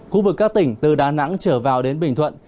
khu vực các tỉnh từ đà nẵng trở vào đến bình thuận